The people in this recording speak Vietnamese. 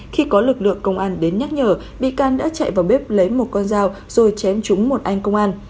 khi có lực lượng công an đến nhắc nhở bị can đã chạy vào bếp lấy một con dao rồi chém trúng một anh công an